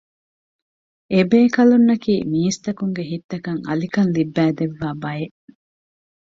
އެ ބޭކަލުންނަކީ މީސްތަކުންގެ ހިތްތަކަށް އަލިކަން ލިއްބައިދެއްވާ ބަޔެއް